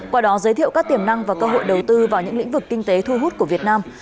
qua đó giới thiệu các tiềm năng và cơ hội đầu tư vào những lĩnh vực kinh tế thu hút của việt nam